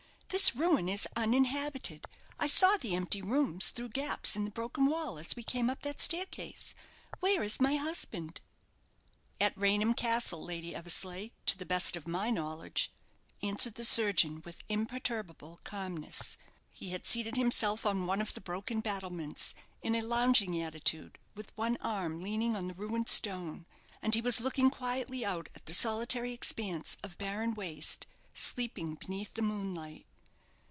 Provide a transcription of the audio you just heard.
"This ruin is uninhabited. I saw the empty rooms, through gaps in the broken wall as we came up that staircase. Where is my husband?" "At Raynham Castle, Lady Eversleigh, to the best of my knowledge," answered the surgeon, with imperturbable calmness. He had seated himself on one of the broken battlements, in a lounging attitude, with one arm leaning on the ruined stone, and he was looking quietly out at the solitary expanse of barren waste sleeping beneath the moonlight.